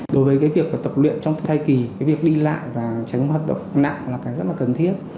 đối với cái việc mà tập luyện trong thai kỳ cái việc đi lại và tránh hoạt động nặng là cái rất là cần thiết